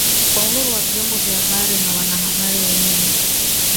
kwa uhuru wa vyombo vya habari na wanahabari wenyewe